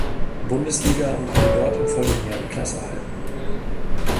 Bundesliga und konnte dort im folgenden Jahr die Klasse halten.